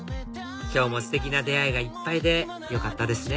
今日もステキな出会いがいっぱいでよかったですね